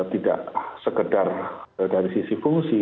tidak sekedar dari sisi fungsi